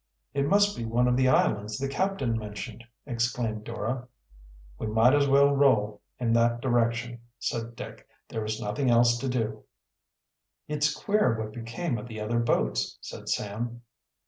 "It must be one of the islands the captain mentioned!" exclaimed Dora. "We might as well row in that direction," said Dick. "There is nothing else to do." "It's queer what became of the other boats," said Sam.